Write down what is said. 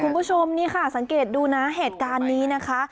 คุณผู้ชมนี่ค่ะสังเกตดูนะเหตุการณ์นี้นะคะ